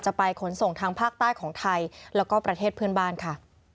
ไปขนส่งทางภาคใต้ของไทยแล้วก็ประเทศเพื่อนบ้านค่ะ